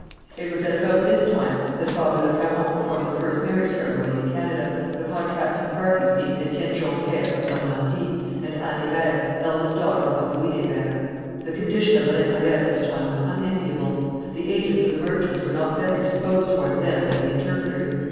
It was at about this time that Father Le Caron performed the first marriage ceremony in Canada, the contracting parties being Étienne Jonquest of Normandy, and Anne Hébert, eldest daughter of Louis Hébert. The condition of the Récollets at this time was unenviable. The agents of the merchants were not better disposed towards them than the interpreters.